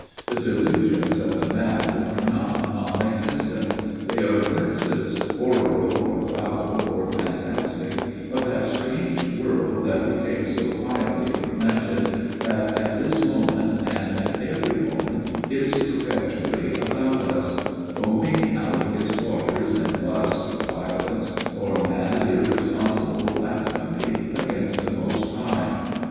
The ' delusions ' of the mad are not non existent they are glimpses, horrible or foul or fantastic, of that strange world that we take so quietly for granted, that at this moment and at every moment is perpetually about us foaming out its waters in lust or violence or mad irresponsible blasphemy against the Most High.